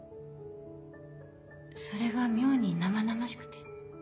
それが妙に生々しくて。